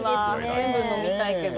全部あとで飲みたいけど。